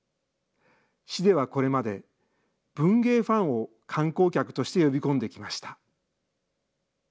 市ではこれまで文芸ファンを観光客として呼び込んできました。